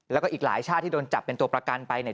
แล้วก็อีกหลายชาติที่โดนจับเป็นตัวประกันไปเนี่ย